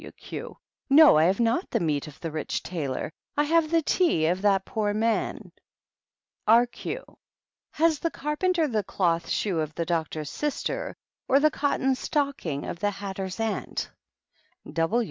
TT. Q. No, I have not the meat of the rich tailor; I have the tea of that poor man. B, Q, Has the carpenter the cloth shoe of the doc tor's sister or the cotton stocking of the hatter's aunt?